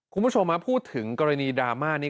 คุณผู้ชมพูดถึงกรณีดราม่านี้